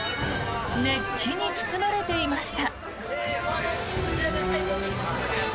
熱気に包まれていました。